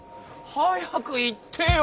早く言ってよ！